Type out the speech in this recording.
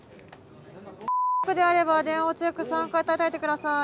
××区であれば電話を強く３回たたいて下さい。